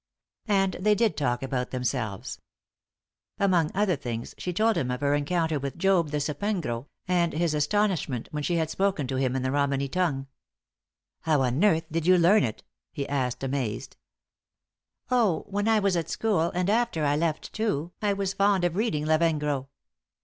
And they did talk about themselves. Among other things, she told him of her encounter with Job, the Sapengro, and his astonishment when she had spoken to him in the Romany tongue. "How on earth did you learn it?" he asked, amazed. "Oh, when I was at school, and after I left, too, I was fond of reading Lavengro."